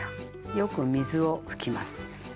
よく水を拭きます。